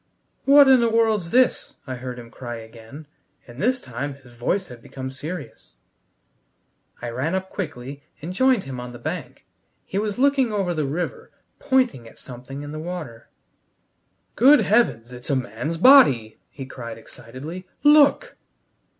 "What in the world's this?" I heard him cry again, and this time his voice had become serious. I ran up quickly and joined him on the bank. He was looking over the river, pointing at something in the water. "Good Heavens, it's a man's body!" he cried excitedly. "Look!"